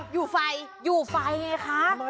อยู่ไฟอยู่ไฟไงคะ